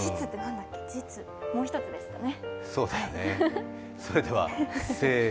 もう１つでしたね。